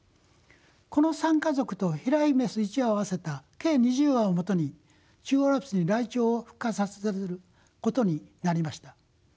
この３家族と飛来雌１羽を合わせた計２０羽をもとに中央アルプスにライチョウを復活させることになりました。